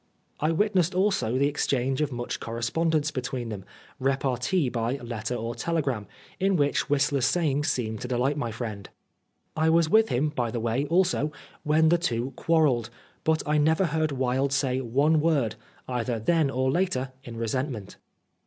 I witnessed also the exchange of much correspondence between them, repartee by letter or telegram, in which Whistler's 89 Oscar Wilde sayings seemed to delight my friend. I was with him, by the way, also, when the two quarrelled, but I never heard Wilde say one word, either then or later, in resentment.